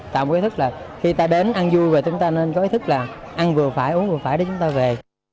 ta có ý thức là khi ta đến ăn vui về chúng ta nên có ý thức là ăn vừa phải uống vừa phải để chúng ta về